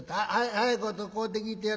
早いこと買うてきてや。